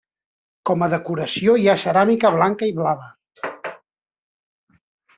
Com a decoració hi ha ceràmica blanca i blava.